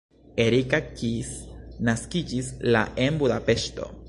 Erika Kiss naskiĝis la en Budapeŝto.